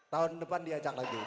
tahun depan diajak lagi